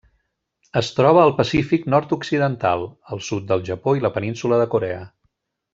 Es troba al Pacífic nord-occidental: el sud del Japó i la península de Corea.